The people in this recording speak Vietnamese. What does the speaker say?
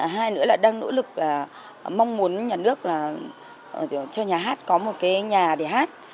hai nữa là đang nỗ lực là mong muốn nhà nước là cho nhà hát có một cái nhà để hát